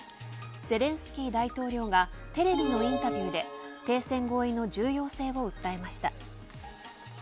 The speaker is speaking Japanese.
ゼレンスキー大統領がテレビのインタビューで停戦合意の重要性を訴えました。